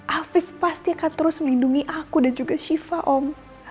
afif pasti akan terus melindungi aku dan juga shiva om